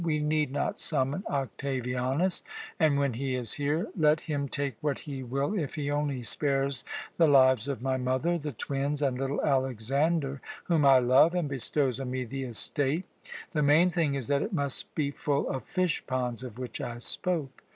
We need not summon Octavianus, and when he is here let him take what he will if he only spares the lives of my mother, the twins, and little Alexander, whom I love, and bestows on me the estate the main thing is that it must be full of fishponds of which I spoke.